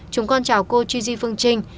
chúng con chào cô gigi phương trinh